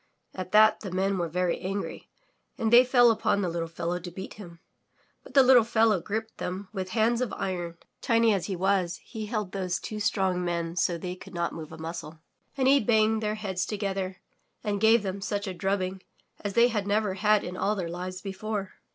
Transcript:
At that the Men were very angry and they fell upon the little fellow to beat him. But the little fellow gripped them with hands of iron. Tiny as he was, he held those two strong men so they could not move a muscle. And he banged their heads together, and gave them such a drubbing as they had never had in all their lives before.